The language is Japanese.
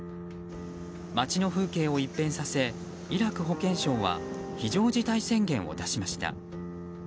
街の風景を一変させイラク保健省は非常事態宣言を出しました。